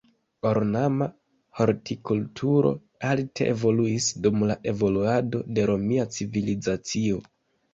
Ornama hortikulturo alte evoluis dum la evoluado de romia civilizacio.